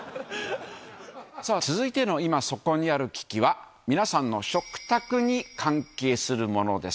さあ、続いての今そこにある危機は、皆さんの食卓に関係するものです。